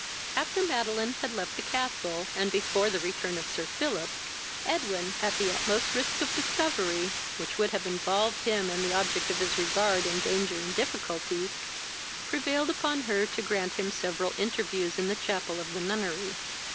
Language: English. After Madeline had left the castle, and before the return of Sir Philip, Edwin, at the utmost risk of discovery, which would have involved him and the object of his regard in danger and difficulties, prevailed upon her to grant him several interviews in the chapel of the nunnery.